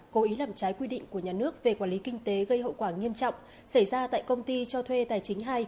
cố ý làm trái quy định của nhà nước về quản lý kinh tế gây hậu quả nghiêm trọng xảy ra tại công ty cho thuê tài chính hai